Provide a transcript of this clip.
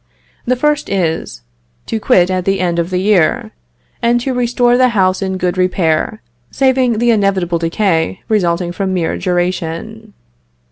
The first is, to quit at the end of the year, and to restore the house in good repair, saving the inevitable decay resulting from mere duration.